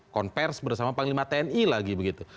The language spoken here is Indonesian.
konversi bersama panglima tni lagi begitu